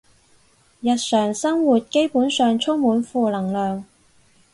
日常生活基本上充滿負能量